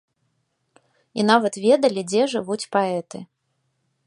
І нават ведалі, дзе жывуць паэты.